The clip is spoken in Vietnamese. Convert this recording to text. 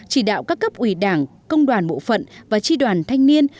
chỉ đạo các cấp ủy đảng công đoàn bộ phận và tri đoàn thanh niên